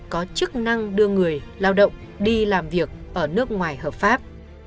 có chức năng đưa người lao động đi làm việc ở nước ngoài hợp pháp